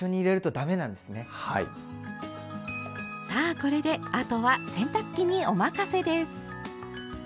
さあこれであとは洗濯機にお任せです。